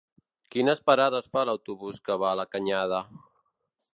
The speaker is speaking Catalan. Quines parades fa l'autobús que va a la Canyada?